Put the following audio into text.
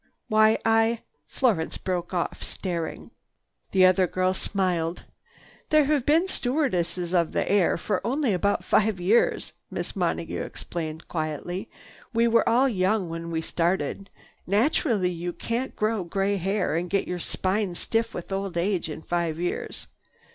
Why I—" Florence broke off, staring. The other girl smiled. "There have been stewardesses of the air for only about five years," Miss Monague explained quietly. "We were all young when we started. Naturally you can't grow gray hair and get your spine stiff with old age in five years.